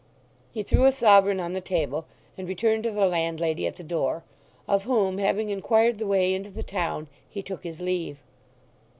He threw a sovereign on the table and returned to the landlady at the door, of whom, having inquired the way into the town, he took his leave.